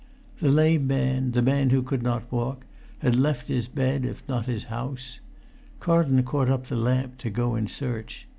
The lame man, the man who could not walk, had left his bed if not the house! Carlton caught up the lamp to go in search.